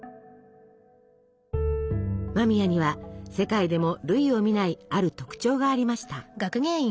間宮には世界でも類を見ないある特徴がありました。